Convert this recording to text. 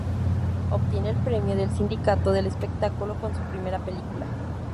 Obtiene el premio del Sindicato del Espectáculo con su primera película.